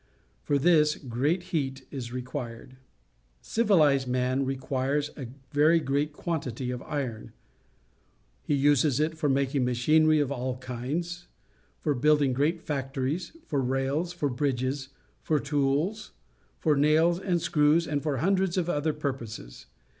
For this great heat is required. Civilized man requires a very great quantitj' of iron. He uses it for making machinery of all kinds, for building great factories, for rails, for bridges, for tools, for nails and screws, and for hundreds of other purposes.